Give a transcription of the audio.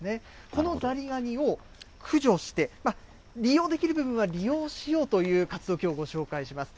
このザリガニを駆除して、利用できる部分は利用しようという活動、きょうご紹介します。